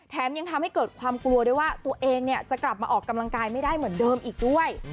ยังทำให้เกิดความกลัวด้วยว่าตัวเองจะกลับมาออกกำลังกายไม่ได้เหมือนเดิมอีกด้วย